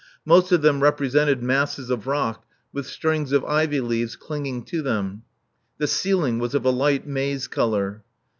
Most of them repre sented masses of rock with strings of ivy leaves cling ing to them. The ceiling was of a light maize color.